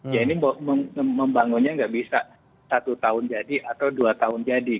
jadi membangunnya tidak bisa satu tahun jadi atau dua tahun jadi